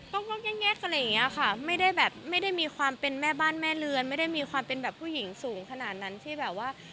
ก็แยกอะไรอย่างเงี้ยค่ะไม่ได้แบบไม่ได้มีความเป็นแม่บ้านแม่เรือนไม่ได้มีความเป็นแบบผู้หญิงสูงขนาดนั้นที่แบบว่า